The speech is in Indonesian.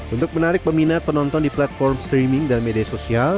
untuk menarik peminat penonton di platform streaming dan media sosial